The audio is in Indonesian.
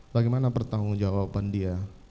bagaimana pertanggungjawaban dia